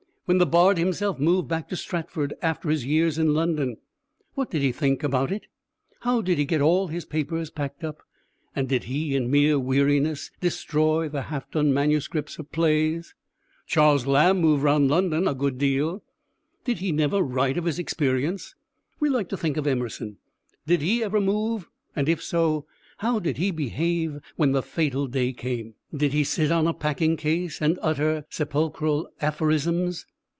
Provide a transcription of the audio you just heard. When the Bard himself moved back to Stratford after his years in London, what did he think about it? How did he get all his papers packed up, and did he, in mere weariness, destroy the half done manuscripts of plays? Charles Lamb moved round London a good deal; did he never write of his experience? We like to think of Emerson: did he ever move, and if so, how did he behave when the fatal day came? Did he sit on a packing case and utter sepulchral aphorisms?